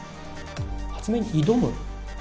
発明に挑む。